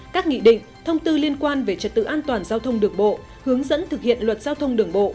các nghị định thông tư liên quan về trật tự an toàn giao thông đường bộ hướng dẫn thực hiện luật giao thông đường bộ